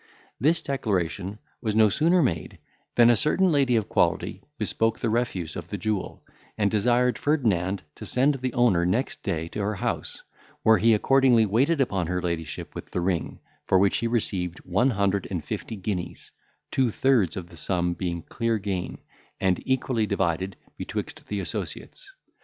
This declaration was no sooner made, than a certain lady of quality bespoke the refuse of the jewel, and desired Ferdinand to send the owner next day to her house, where he accordingly waited upon her ladyship with the ring, for which he received one hundred and fifty guineas, two thirds of the sum being clear gain, and equally divided betwixt the associates.